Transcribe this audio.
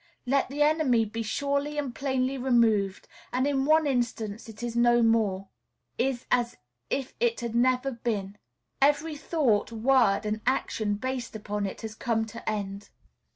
Let the enemy be surely and plainly removed, and in one instance it is no more, is as if it had never been. Every thought, word, and action based upon it has come to end.